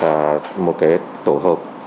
và đưa một tổ hợp